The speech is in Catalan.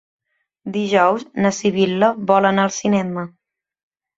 Dijous na Sibil·la vol anar al cinema.